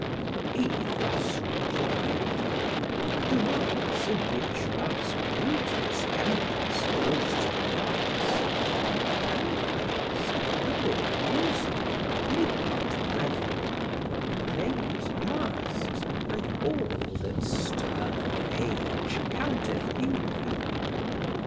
He thus replied: "The rites In which love's beauteous empress most delights, Are banquets, Doric music, midnight revel, Plays, masks, and all that stern age counteth evil.